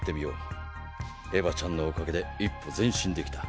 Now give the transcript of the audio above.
エヴァちゃんのおかげで一歩前進できた。